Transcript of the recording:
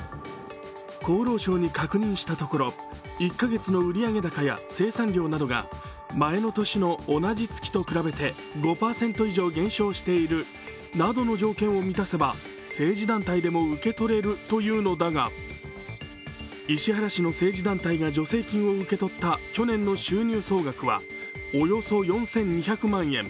厚労省に確認したところ１カ月の売上高や生産量などが前の年の同じ月と比べて５％以上減少しているなどの条件を満たせば、政治団体でも受け取れるというのだが石原氏の政治団体が助成金を受け取った去年の収入総額はおよそ４２００万円。